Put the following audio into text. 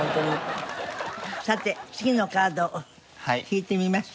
さて次のカードを引いてみましょう。